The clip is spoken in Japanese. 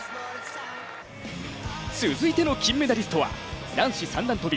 続いての金メダリストは男子三段跳。